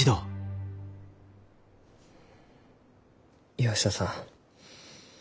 岩下さん